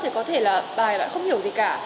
thì có thể là bài nó không hiểu gì cả